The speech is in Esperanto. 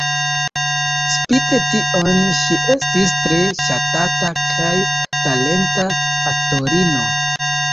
Spite tion, ŝi estis tre ŝatata kaj talenta aktorino.